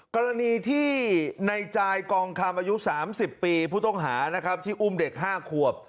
กรณีที่ในจายกองคำอายุ๓๐ปีผู้ต้องหานะครับที่อุ้มเด็ก๕ขวบ